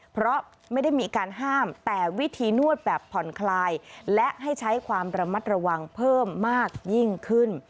เพราะไม่ได้มีการห้ามแต่วิธีนวดแบบผ่อนคลายและให้ใช้ความระมัดระวังเพิ่มมากยิ่งขึ้น